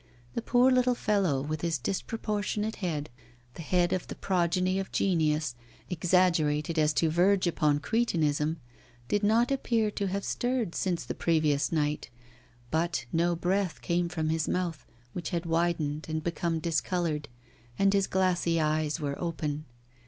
The poor little fellow, with his disproportionate head the head of the progeny of genius, exaggerated as to verge upon cretinism did not appear to have stirred since the previous night; but no breath came from his mouth, which had widened and become discoloured, and his glassy eyes were open.